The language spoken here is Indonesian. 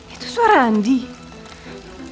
itu suara anjing